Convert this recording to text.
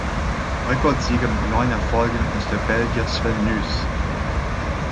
Rekordsieger mit neun Erfolgen ist der Belgier Sven Nys.